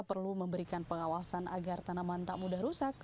perlu memberikan pengawasan agar tanaman tak mudah rusak